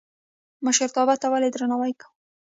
مشرتابه ته ولې درناوی کوو؟